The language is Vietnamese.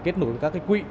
kết nối với các quỵ